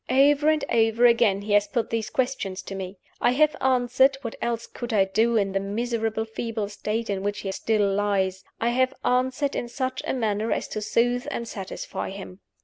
Over and over again he has put these questions to me. I have answered what else could I do in the miserably feeble state in which he still lies? I have answered in such a manner as to soothe and satisfy him.